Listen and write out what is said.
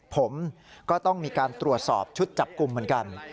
ผมก็ต้องมีการตรวจสอบชุดจับกลุ่มเหมือนกัน